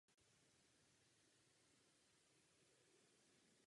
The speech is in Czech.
Tentýž autor namaloval i křížovou cestu.